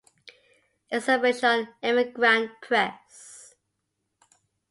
Azerbaijan emigrant press